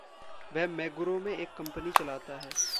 वह मेगुरो में एक कंपनी चलाता है।